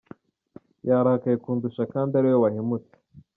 Yarakaye kundusha kandi ari we wahemutse…”.